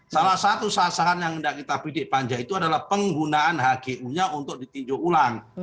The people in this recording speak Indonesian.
salah satu sasaran yang hendak kita bidik panja itu adalah penggunaan hgu nya untuk ditinjau ulang